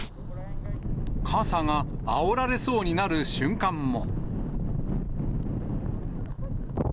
傘があおられそうになる瞬間も。